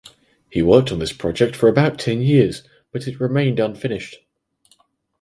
He worked on this project for about ten years but it remained unfinished.